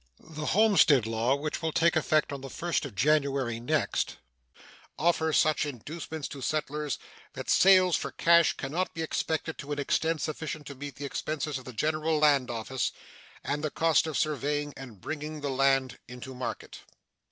The homestead law, which will take effect on the 1st of January next, offers such inducements to settlers that sales for cash can not be expected to an extent sufficient to meet the expenses of the General Land Office and the cost of surveying and bringing the land into market.